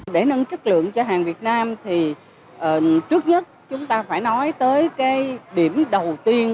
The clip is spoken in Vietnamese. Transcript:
để nâng chất lượng cho hàng việt nam thì trước nhất chúng ta phải nói tới cái điểm đầu tiên